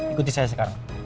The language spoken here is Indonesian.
ikuti saya sekarang